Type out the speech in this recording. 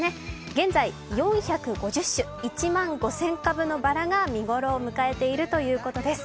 現在４５０種、１万５０００株のバラが見頃を迎えているということです。